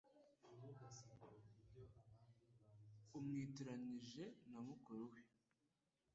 amwitiranije na mukuru we.